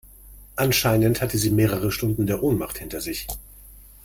Anscheinend hatte sie mehrere Stunden der Ohnmacht hinter sich.